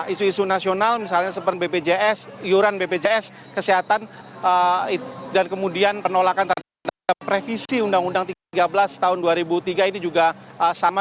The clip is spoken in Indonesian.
isu isu nasional misalnya seperti bpjs iuran bpjs kesehatan dan kemudian penolakan terhadap revisi undang undang tiga belas tahun dua ribu tiga ini juga sama